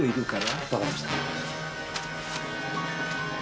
分かりました。